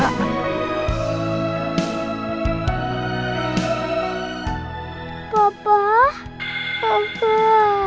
adek itu ada papa dek